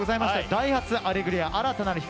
「ダイハツアレグリア‐新たなる光‐」